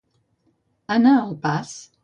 Anar al pas.